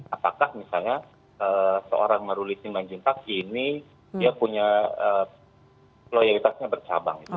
apakah misalnya seorang maruli simanjuntak ini dia punya loyalitasnya bercabang